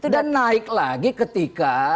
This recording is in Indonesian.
dan naik lagi ketika